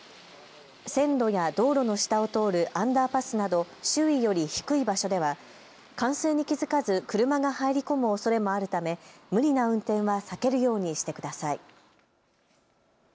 線路や道路の下を通るアンダーパスなど周囲より低い場所では冠水に気付かず車が入り込むおそれもあるため無理な運転は避けるようにしてください。